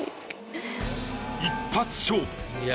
一発勝負。